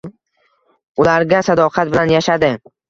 Ularga sadoqat bilan yashadi.